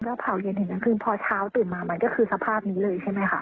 ก็เผาเย็นถึงกลางคืนพอเช้าตื่นมามันก็คือสภาพนี้เลยใช่ไหมคะ